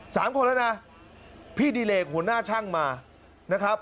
สามคนแล้วนะพี่ดิเลกหัวหน้าช่างมานะครับ